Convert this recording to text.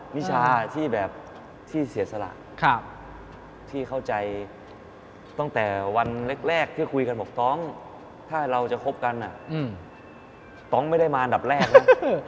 วิชาที่แบบที่เสียสละที่เข้าใจตั้งแต่วันแรกที่คุยกันบอกต้องถ้าเราจะคบกันต้องไม่ได้มาอันดับแรกนะ